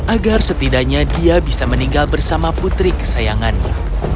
agar setidaknya dia bisa meninggal bersama putri kesayangannya